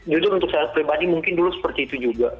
jujur untuk saya pribadi mungkin dulu seperti itu juga